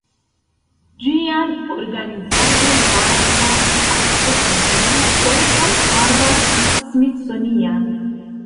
Ĝian organizadon faras la Astrofizika Centro Harvard-Smithsonian.